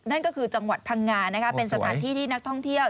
นั่นก็คือจังหวัดพังงานะคะเป็นสถานที่ที่นักท่องเที่ยว